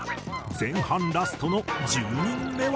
前半ラストの１０人目は。